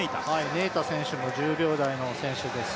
ネイタ選手も１０秒台の選手です。